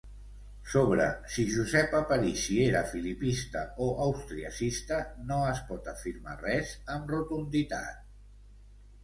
Sobre si Josep Aparici era filipista o austriacista no es pot afirmar res amb rotunditat.